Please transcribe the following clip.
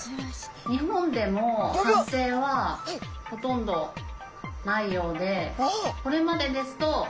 日本でも発生はほとんどないようでこれまでですとアマゴやニジマス